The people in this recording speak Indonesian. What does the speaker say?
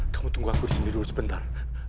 kamu tunggu aku sendiri dulu sebentar